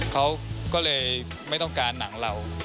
เขาก็เลยไม่ต้องการหนังเรา